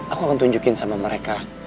aku akan tunjukin sama mereka